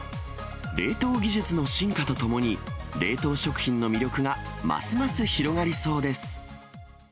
冷凍技術の進化とともに、冷凍食品の魅力がますます広がりそうです。